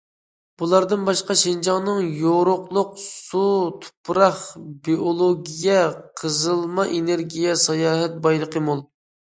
بۇلاردىن باشقا شىنجاڭنىڭ يورۇقلۇق، سۇ، تۇپراق، بىيولوگىيە، قېزىلما، ئېنېرگىيە، ساياھەت بايلىقى مول.